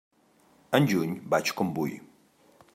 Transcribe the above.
En juny vaig com vull.